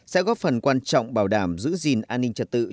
sẽ góp phần quan trọng bảo đảm giữ gìn an ninh trật tự